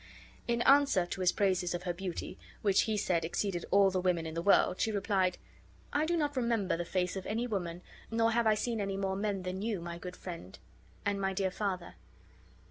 In answer to his praises of her beauty, which he said exceeded all the women in the world, she replied: "I do not remember the face of any woman, nor have I seen any more men than you, my good friend, and my dear father.